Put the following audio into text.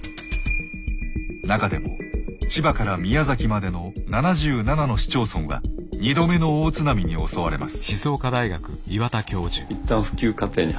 中でも千葉から宮崎までの７７の市町村は２度目の大津波に襲われます。